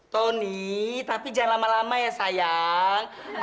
tony tapi jangan lama lama ya sayang